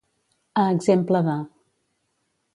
A exemple de.